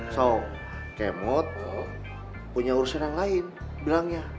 so kemot punya urusan yang lain bilangnya